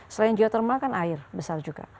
selain geotermal kan air besar juga